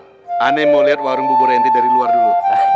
saya mau lihat warung buburan saya dari luar dulu